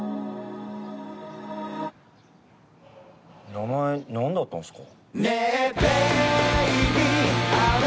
名前なんだったんすか？